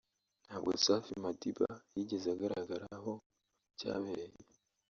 ntabwo Safi Madiba yigeze agaragara aho cyabereye